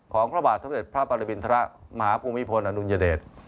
ของพระบาทสมเด็จพระปรบิรินทระมหาภูมิพลอนุญเดช